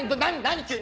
何？